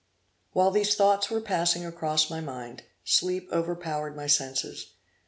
While these thoughts were passing across my mind, sleep overpowered my senses.